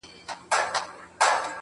ښاا ځې نو.